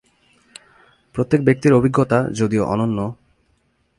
প্রত্যেক ব্যক্তির অভিজ্ঞতা, যদিও, অনন্য।